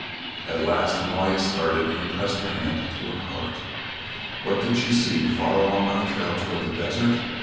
At last Amalia started and pressed her hand to her heart. What did she see far along on the trail toward the desert?